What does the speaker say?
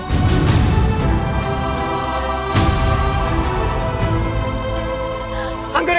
kamu mau membunuh aku anggra ini